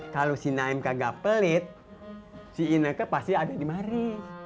kalo si naim kagak pelit si i neka pasti ada di mari